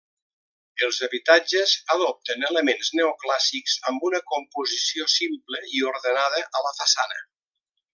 Els habitatges adopten elements neoclàssics amb una composició simple i ordenada a la façana.